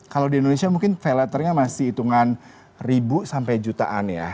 kalau di indonesia mungkin pay laternya masih hitungan ribu sampai jutaan ya